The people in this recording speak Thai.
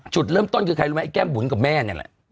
จุดเริ่มต้นคือใครรู้ไหมไอแก้มบุ๋นกับแม่นี่แหละ